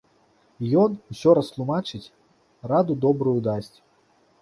І ён усё растлумачыць, раду добрую дасць.